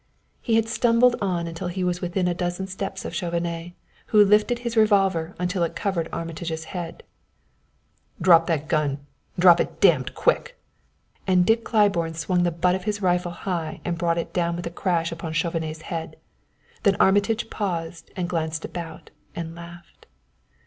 He had stumbled on until he was within a dozen steps of Chauvenet, who lifted his revolver until it covered Armitage's head. "Drop that gun drop it damned quick!" and Dick Claiborne swung the butt of his rifle high and brought it down with a crash on Chauvenet's head; then Armitage paused and glanced about and laughed.